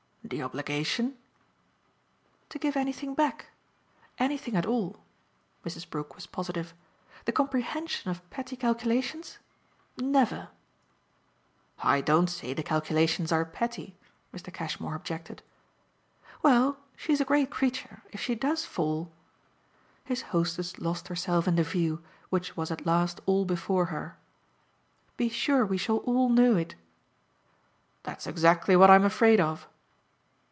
"The obligation ?" "To give anything back. Anything at all." Mrs. Brook was positive. "The comprehension of petty calculations? Never!" "I don't say the calculations are petty," Mr. Cashmore objected. "Well, she's a great creature. If she does fall !" His hostess lost herself in the view, which was at last all before her. "Be sure we shall all know it." "That's exactly what I'm afraid of!"